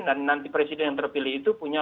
dan nanti presiden yang terpilih itu punya